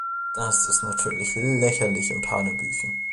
Das ist natürlich lächerlich und hanebüchen.